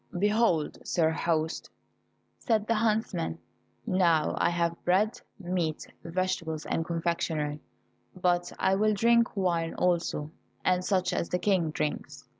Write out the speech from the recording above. "Behold, sir host," said the huntsman, "now I have bread, meat, vegetables and confectionery, but I will drink wine also, and such as the King drinks."